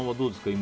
今。